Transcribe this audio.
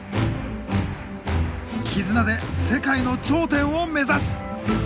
「絆」で世界の頂点を目指す。